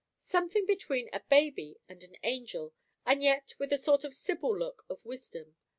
"Something between a baby and an angel, and yet with a sort of sybil look of wisdom.